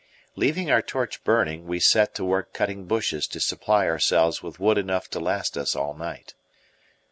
Leaving our torch burning, we set to work cutting bushes to supply ourselves with wood enough to last us all night.